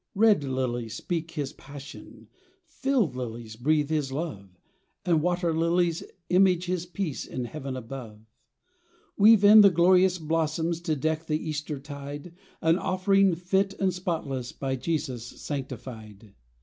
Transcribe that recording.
Red lilies speak His passion, Field lilies breathe His love, And Water lilies image His peace in heaven above. Weave in the glorious blossoms To deek the Easter tide, An offering fit and spotless, By Jesus sanctified !